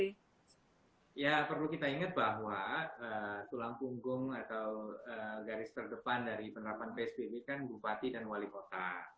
ya perlu kita ingat bahwa tulang punggung atau garis terdepan dari penerapan psbb kan bupati dan wali kota